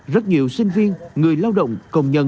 rất nhiều sinh viên người lao động và các người lao động